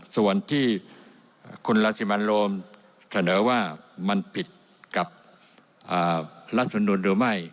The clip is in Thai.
ส่วนที่คุณรังสิมันโรมเสนอว่ามันผิดกับรัฐมนุนหรือไม่